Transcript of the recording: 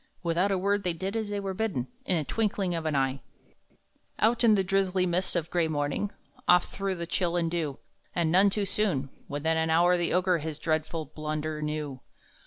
Without a word they did as they were bidden, In twinkling of an eye, Out in the drizzly mist of a gray morning, Off through the chill and dew, And none too soon! Within an hour the Ogre His dreadful blunder knew.